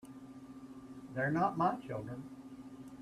They're not my children.